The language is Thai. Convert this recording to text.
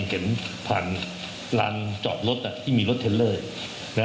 เห็นผ่านลานจอดรถที่มีรถเทลเลอร์